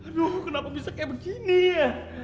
aduh kenapa bisa kayak begini ya